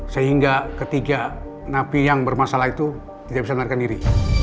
sehingga ketiga napi yang bermasalah itu tidak bisa melarikan diri